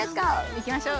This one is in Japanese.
行きましょう！